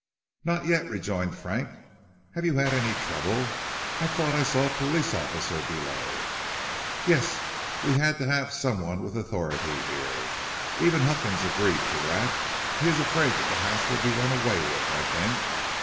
"Not yet," rejoined Frank. "Have you had any trouble? I thought I saw a police officer below." "Yes, we had to have some one with authority here. Even Huckins agreed to that; he is afraid the house will be run away with, I think.